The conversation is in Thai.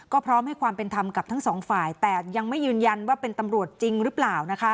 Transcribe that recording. ก็พร้อมให้ความเป็นธรรมกับทั้งสองฝ่ายแต่ยังไม่ยืนยันว่าเป็นตำรวจจริงหรือเปล่านะคะ